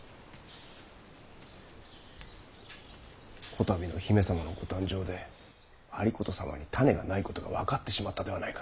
こたびの姫様のご誕生で有功様に胤がないことが分かってしまったではないか。